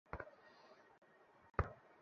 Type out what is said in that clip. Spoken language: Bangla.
ঐ যে ও!